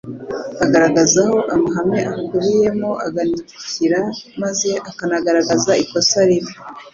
agaragaza aho amahame ayakubiyemo aganikira maze akanagaragaza ikosa ribi